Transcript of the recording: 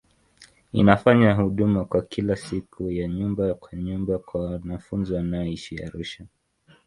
Inafanya huduma ya kila siku ya nyumba kwa nyumba kwa wanafunzi wanaoishi Arusha.